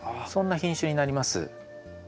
そんな品種になります。